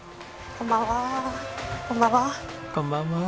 こんばんは。